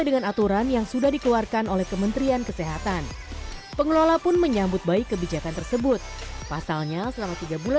jadi ada cara yang kita bisa melindungi beberapa kekurangan yang kita ada